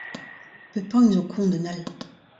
Pep hini zo koñ d'un all.